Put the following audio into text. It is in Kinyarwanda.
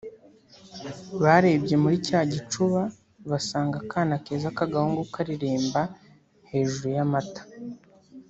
barebye muri cya gicuba basanga akana keza k’agahungu kareremba hejuru y’amata